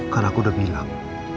kan aku udah bilang